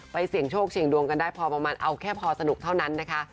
เสี่ยงโชคเสี่ยงดวงกันได้พอประมาณเอาแค่พอสนุกเท่านั้นนะคะ